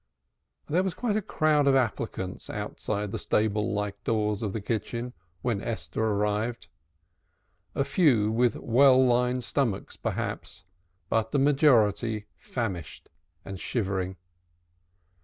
There was quite a crowd of applicants outside the stable like doors of the kitchen when Esther arrived, a few with well lined stomachs, perhaps, but the majority famished and shivering.